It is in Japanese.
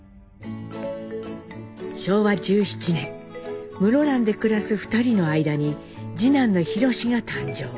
昭和１７年室蘭で暮らす２人の間に次男の弘史が誕生。